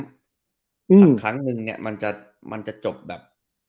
สักครั้งนึงเนี่ยมันจะจบแบบ